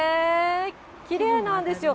きれいなんですよ。